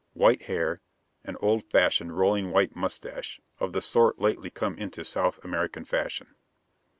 White hair; and an old fashioned, rolling white mustache of the sort lately come into South American fashion.